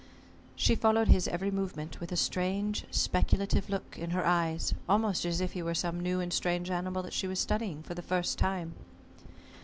She followed his every movement with a strange speculative look in her eyes, almost as if he were some new and strange animal that she was studying for the first time.